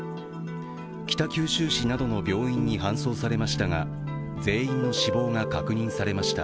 北九州市などの病院に搬送されましたが全員の死亡が確認されました。